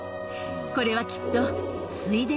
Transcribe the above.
これはきっと。